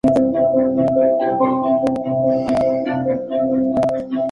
Su reclamo es muy característico, es una especie de carcajada larga y resonante "kaiü-kaiü-kaiück".